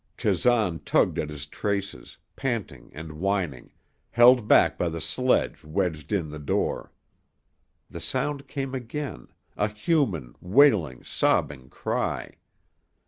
Kazan tugged at his traces, panting and whining, held back by the sledge wedged in the door. The sound came again, a human, wailing, sobbing cry.